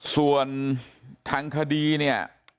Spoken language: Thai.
ส่วนทางคดีเนี่ย